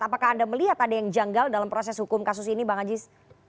apakah anda melihat ada yang janggal dalam proses hukum kasus ini bang aziz